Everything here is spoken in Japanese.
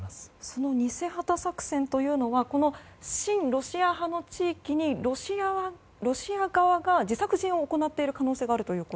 その偽旗作戦というのは親ロシア派の地域にロシア側が自作自演を行っている可能性があると。